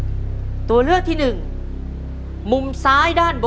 คุณยายแจ้วเลือกตอบจังหวัดนครราชสีมานะครับ